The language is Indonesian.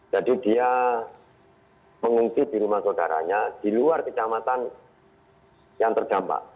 jadi dia pengungsi di rumah saudaranya di luar kecamatan yang terdampak